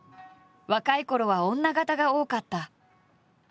若いころは女形が多かった。